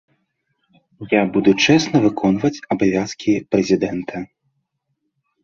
Я буду чэсна выконваць абавязкі прэзідэнта.